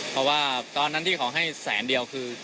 เพราะว่าตอนนั้นที่เขาให้๑๐๐๐๐๐บาทเดียวคือ